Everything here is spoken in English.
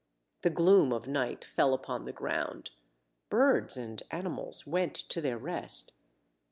The gloom of night fell upon the ground. Birds and animals went to their rest.